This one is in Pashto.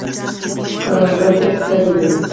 کروندگر تل ستړي وي.